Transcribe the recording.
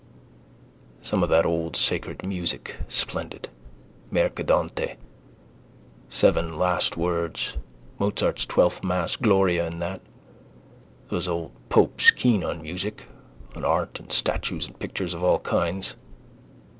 _ Some of that old sacred music splendid. Mercadante: seven last words. Mozart's twelfth mass: Gloria in that. Those old popes keen on music, on art and statues and pictures of all kinds.